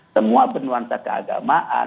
semua penuhan saka agamaan